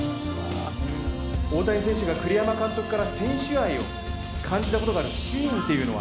大谷選手が栗山監督から選手愛を感じた事があるシーンっていうのは？